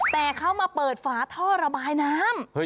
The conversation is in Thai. แต่เขามาเปิดฝาท่อระบายน้ำ